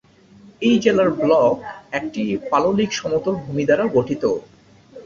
এই জেলার ব্লক একটি পাললিক সমতল ভূমি দ্বারা গঠিত।